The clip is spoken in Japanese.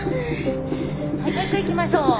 はいもう一回いきましょう。